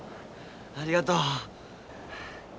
ありがとう。